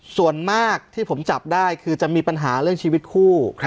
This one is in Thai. ส่วนมากที่ผมจับได้คือจะมีปัญหาเรื่องชีวิตคู่